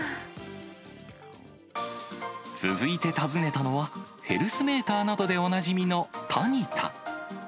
続いて訪ねたのは、ヘルスメーターなどでおなじみのタニタ。